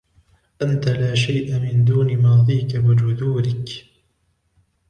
أنت لا شيء من دون ماضيك وجذورك